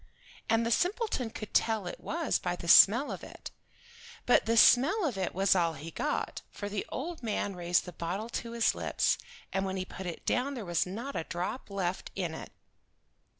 And the simpleton could tell it was by the smell of it. But the smell of it was all he got, for the old man raised the bottle to his lips, and when he put it down there was not a drop left in it.